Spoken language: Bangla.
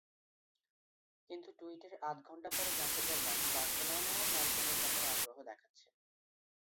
কিন্তু টুইটের আধ ঘণ্টা পরে জানতে পারলাম বার্সেলোনাও ম্যালকমের ব্যাপারে আগ্রহ দেখাচ্ছে।